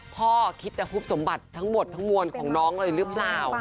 คิดจะฮุบสมบัติทั้งหมดทั้งมวลของน้องเลยหรือเปล่า